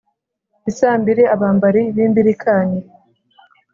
Isaa mbiri abambari b'imbirikanyi